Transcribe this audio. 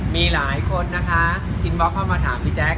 มีหลายคนอินบล็อกมาถามพี่แจ๊ค